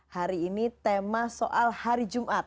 hari ini tema soal hari jumat